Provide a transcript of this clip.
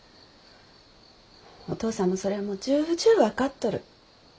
お父さんもそれはもう重々分かっとる。